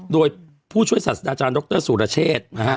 โดยผู้ช่วยศัตริย์อาจารย์ดรสุรเชษฐ์